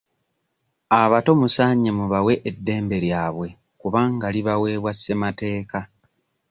Abato musaanye mu bawe eddembe lyabwe kubanga libaweebwa ssemateeka.